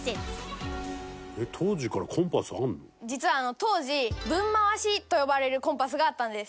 実は当時「ぶんまわし」と呼ばれるコンパスがあったんです。